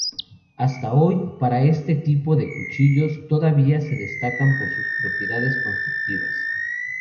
Hasta hoy, para este tipo de cuchillos todavía se destacan por sus propiedades constructivas.